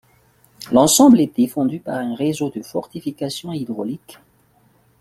L'ensemble est défendu par un réseau de fortifications hydrauliques.